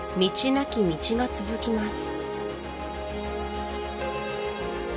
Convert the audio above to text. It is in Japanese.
なき道が続きます